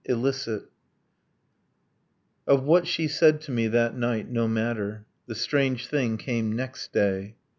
ILLICIT Of what she said to me that night no matter. The strange thing came next day.